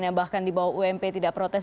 yang bahkan di bawah ump tidak protes